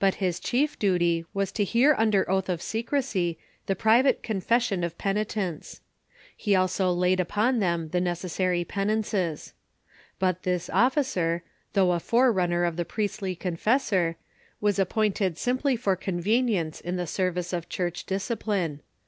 But his chief duty was to hear under oath of secrecy the private confession of penitents. He also laid upon them the neces sary penances. But this officer, though a forerunner of the priestly confessor, was appointed simply for convenience in the service of Church discipline.